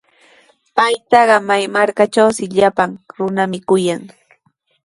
Paytaqa may markatrawpis llapan runami kuyan.